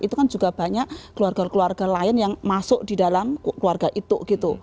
itu kan juga banyak keluarga keluarga lain yang masuk di dalam keluarga itu gitu